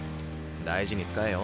大事に使えよ。